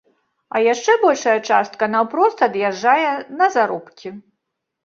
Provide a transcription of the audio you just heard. А яшчэ большая частка наўпрост ад'язджае на заробкі.